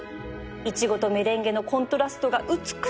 イチゴとメレンゲのコントラストが美しい